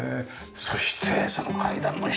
そしてその階段の下！